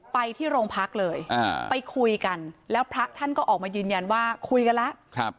ไปที่โรงพักเลยไปคุยกันแล้วพระท่านก็ออกมายืนยันว่าคุยกันแล้ว